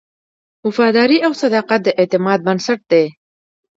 وفاداري او صداقت د اعتماد بنسټ دی.